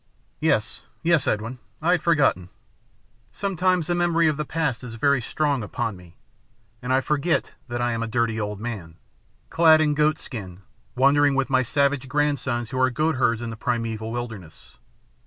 "Yes, yes, Edwin; I had forgotten. Sometimes the memory of the past is very strong upon me, and I forget that I am a dirty old man, clad in goat skin, wandering with my savage grandsons who are goatherds in the primeval wilderness.